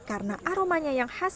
karena aromanya yang menarik